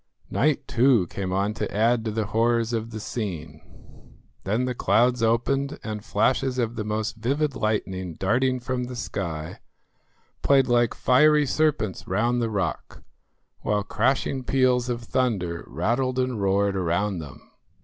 Night too came on to add to the horrors of the scene. Then the clouds opened and flashes of the most vivid lightning darting from the sky played like fiery serpents round the rock, while crashing peals of thunder rattled and roared around them.